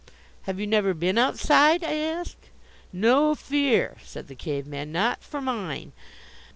"Have you never been Outside?" I asked. "No fear!" said the Cave man. "Not for mine!